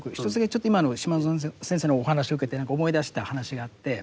ちょっと今の島薗先生のお話を受けて何か思い出した話があって。